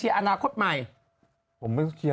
ร้อยสิบเก้า